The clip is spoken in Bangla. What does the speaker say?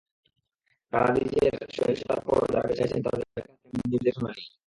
কারাদজিচের সহিংসতার পরও যাঁরা বেঁচে আছেন, তাঁদের কাছ থেকে আমি নির্দেশনা নিই।